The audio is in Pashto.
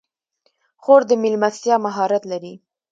خور د میلمستیا مهارت لري.